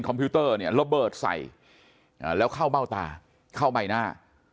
พิวเตอร์เนี่ยระเบิดใส่แล้วเข้าเบ้าตาเข้าใบหน้า